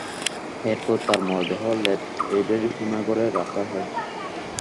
এরপর তাঁর মরদেহ ল্যাব এইডের হিমাগারে রাখা হয়।